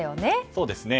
そうですね。